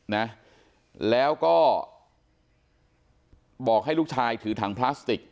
นะแล้วก็บอกให้ลูกชายถือถังพลาสติก